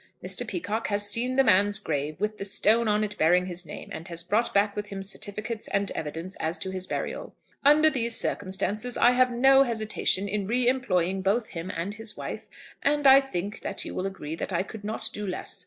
Mr. Peacocke has seen the man's grave, with the stone on it bearing his name, and has brought back with him certificates and evidence as to his burial. "Under these circumstances, I have no hesitation in re employing both him and his wife; and I think that you will agree that I could not do less.